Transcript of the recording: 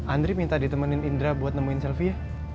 andri minta ditemenin indra buat nemuin selfie ya